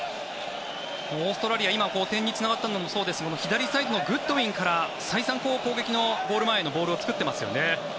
オーストラリアは今点につながったのもそうですが左サイドのグッドウィンから再三、攻撃のゴール前へのボールを作ってますよね。